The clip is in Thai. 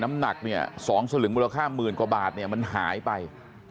น้ำหนักเนี่ย๒สลึงมูลค่าหมื่นกว่าบาทเนี่ยมันหายไป